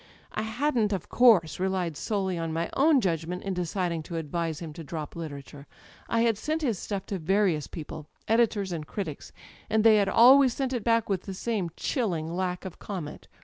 I hadn't, of [ 262 ] Digitized by LjOOQ IC THE EYES course, relied solely on my own judgment in deciding to advise him to drop literature. I had sent his stuff to various people â€" editors and critics â€" and they had always sent it back with the same chilling lack of comment.